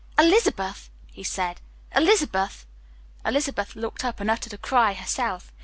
"Elizabeth!" he said, "Elizabeth!" Elizabeth looked up and uttered a cry herself.